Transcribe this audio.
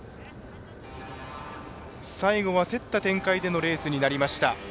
最後は競った展開でのレースになりました。